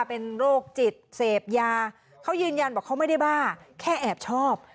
เป็นโรคจิตเสพยาเขายืนยันบอกเขาไม่ได้บ้าแค่แอบชอบ